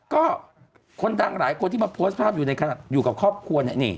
ก็คนดังหลายคนที่มาโพสต์ภาพอยู่กับครอบครัวนี่